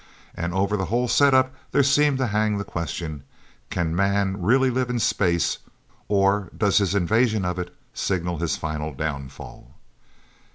And over the whole setup there seemed to hang the question: Can Man really live in space, or does his invasion of it signal his final downfall?